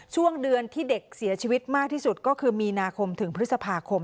ช่วงเดือนที่เด็กเสียชีวิตมากที่สุดก็คือมีนาคมถึงพฤษภาคม